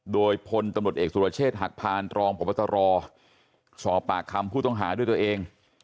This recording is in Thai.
โดยพลตำรวจเอกสุรเชษฐหักพานรองพบตรสอบปากคำผู้ต้องหาด้วยตัวเอง